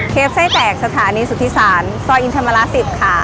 เคล็บไส้แตกสถานีสุธิศาลซอยอินทรมาลา๑๐ค่ะ